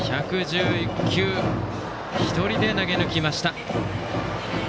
１１１球、１人で投げ抜きました。